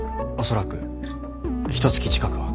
恐らくひとつき近くは。